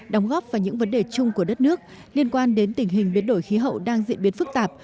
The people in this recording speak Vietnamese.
đóng góp vào những vấn đề chung của đất nước liên quan đến tình hình biến đổi khí hậu đang diễn biến phức tạp